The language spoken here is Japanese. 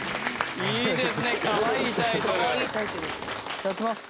いただきます。